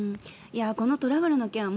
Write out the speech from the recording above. このトラブルの件